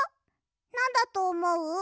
なんだとおもう？